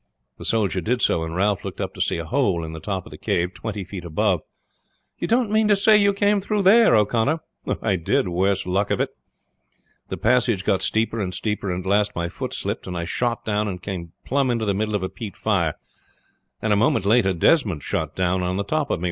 The soldier did so, and Ralph looking up saw a hole in the top of the cave twenty feet above. "You don't mean to say you came through there, O'Connor?" "I did, worse luck to it!" O'Connor said. "The passage got steeper and steeper, and at last my foot slipped, and I shot down and came plump into the middle of a peat fire; and a moment later Desmond shot down on to the top of me.